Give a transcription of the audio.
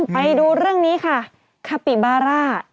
ไปดูเรื่องนี้ค่ะ